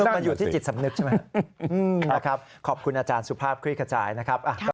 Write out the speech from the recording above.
มันอยู่ที่จิตสำนึกใช่ไหมนะครับขอบคุณอาจารย์สุภาพคลี่ขจายนะครับ